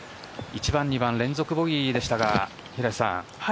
１番２番連続ボギーでしたが平瀬さん